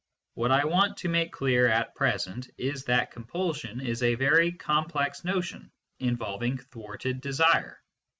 What I want to make clear at present is that compulsion is a very complex notion, involving thwarted desire.